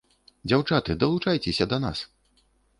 Дзяўчаты, далучайцеся да нас.